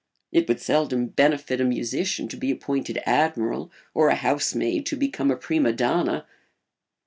It would seldom benefit a musician to be appointed admiral or a housemaid to become a prima donna.